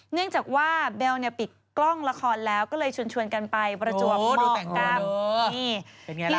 เนื่องจากว่าเบลปิดกล้องละครแล้วก็เลยชวนกันไปประจวบรูปกรรม